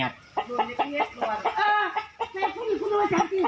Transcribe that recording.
ต้องเงียบต้องเงียบ